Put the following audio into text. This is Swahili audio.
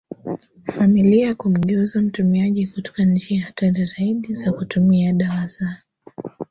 familia kumgeuza mtumiaji kutoka njia hatari zaidi za kutumia dawa za